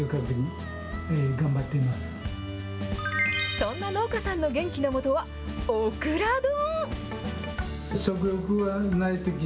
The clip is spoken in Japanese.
そんな農家さんの元気のもとは、オクラ丼。